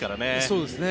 そうですね。